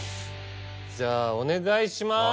じゃあお願いします。